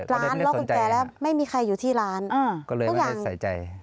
ปิดร้านรอกกุญแจแล้วไม่มีใครอยู่ที่ร้านเพราะอย่างก็เลยไม่ได้ใส่ใจ